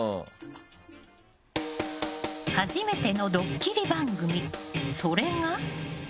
初めてのドッキリ番組それが。